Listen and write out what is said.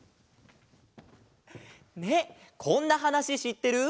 ねえこんなはなししってる？